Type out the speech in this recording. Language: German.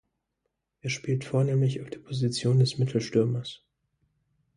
Er spielt vornehmlich auf der Position des Mittelstürmers.